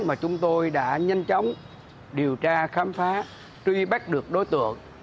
mà chúng tôi đã nhanh chóng điều tra khám phá truy bắt được đối tượng